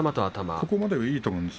ここまでいいと思うんです。